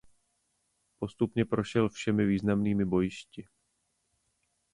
Postupně prošel všemi významnými bojišti.